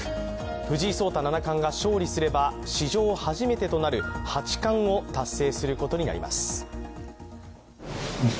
藤井聡太七冠が勝利すれば史上初めてとなる八冠を達成することになります。